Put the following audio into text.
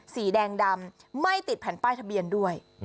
สีแดงดำไม่ติดแผ่นป้ายทะเบียนด้วย